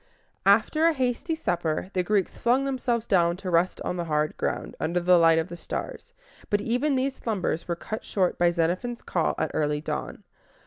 After a hasty supper, the Greeks flung themselves down to rest on the hard ground, under the light of the stars; but even these slumbers were cut short by Xenophon's call at early dawn.